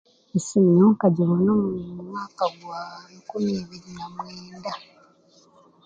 Esimu nyowe nkagibona omu mwaka gwa enkumi ibiri na mwenda.